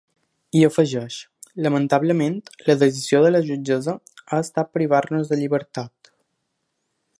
I afegeix: Lamentablement la decisió de la jutgessa ha estat privar-nos de llibertat.